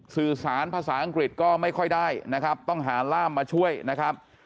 สื่อสารภาษาอังกฤษก็ไม่ค่อยได้นะครับต้องหาร่ามมาช่วยนะครับ